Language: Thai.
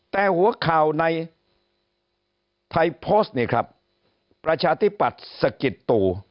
แต่หัวข่าวในไทยโพสต์นี่ครับประชาธิปัตย์สะกิดตู